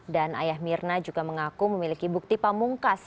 dan ayah mirna juga mengaku memiliki bukti pamungkas